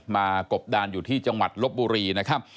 กบดานอยู่ที่จังหวัดลบบุรีนะครับ